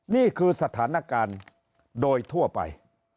นี่คือสถานการณ์โดยทั่วไป